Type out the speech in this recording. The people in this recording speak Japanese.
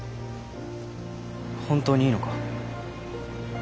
本当にいいのか？